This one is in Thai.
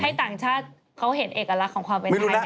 ต่างชาติเขาเห็นเอกลักษณ์ของความเป็นไทย